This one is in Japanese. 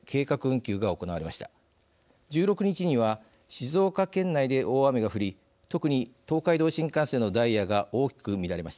１６日には静岡県内で大雨が降り特に東海道新幹線のダイヤが大きく乱れました。